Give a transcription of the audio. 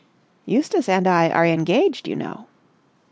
"Eustace and I are engaged, you know!"